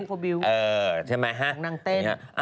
โคบิวของนางเต้นใช่ไหมฮะอย่างนี้ฮะ